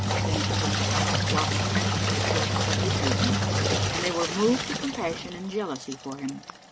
Then he wept, whilst the Princesses wept for his weeping, and they were moved to compassion and jealousy for him.